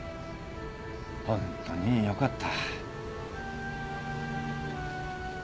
ホントによかった。